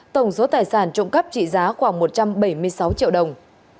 tổng số tài sản trộm cắp trị giá khoảng một trăm bảy mươi sáu triệu đồng